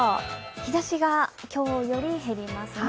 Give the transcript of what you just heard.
日ざしが今日より減りますね。